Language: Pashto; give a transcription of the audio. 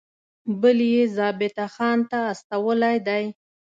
بل یې ضابطه خان ته استولی دی.